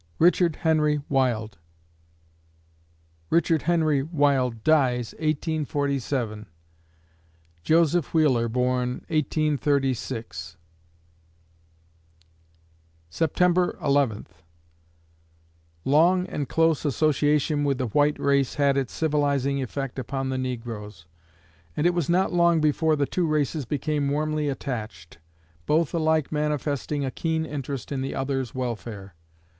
RICHARD HENRY WILDE Richard Henry Wilde dies, 1847 Joseph Wheeler born, 1836 September Eleventh Long and close association with the white race had its civilizing effect upon the negroes, and it was not long before the two races became warmly attached, both alike manifesting a keen interest in the other's welfare.